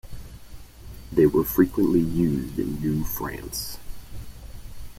They were frequently used in New France.